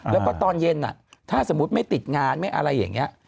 แล้วก็ตอนเย็นถ้าสมมุติไม่ติดงานไม่อะไรอย่างนี้